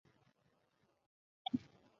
ওদের কাছে নিজের পাপ স্বীকার করেছেন।